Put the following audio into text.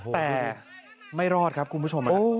แต่ไม่รอดครับคุณผู้ชม